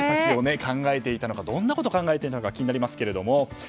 何手先を考えていたのかどんなことを考えてるんだか気になりますけれども。